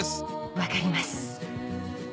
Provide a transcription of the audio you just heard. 分かります